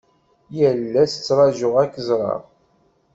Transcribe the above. Yal ass tṛajuɣ ad ak-ẓreɣ.